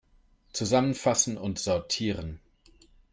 Zusammenfassen und sortieren!